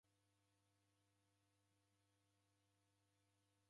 Kwalua maghu shuu.